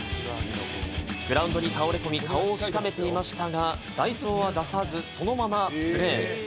グラウンドに倒れ込み、顔をしかめていましたが代走は出さず、そのままプレー。